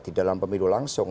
di dalam pemilu langsung